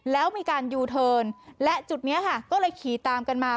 แล้วมีการยูเทิร์นและจุดนี้ค่ะก็เลยขี่ตามกันมา